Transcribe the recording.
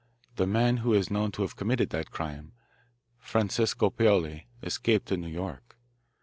The man who is known to have committed that crime Francesco Paoli escaped to New York.